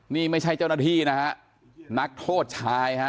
นี่ไม่ใช่เจ้าหน้าที่นักโทษชาย